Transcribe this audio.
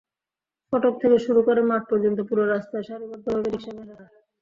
ফটক থেকে শুরু করে মাঠ পর্যন্ত পুরো রাস্তায় সারিবদ্ধভাবে রিকশা-ভ্যান রাখা।